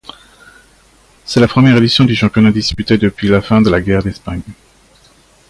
C'est la première édition du championnat disputée depuis la fin de la guerre d'Espagne.